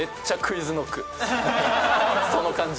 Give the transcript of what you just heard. その感じ。